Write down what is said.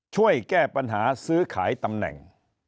ช่วยแก้ปัญหาซื้อขายตำแหน่ง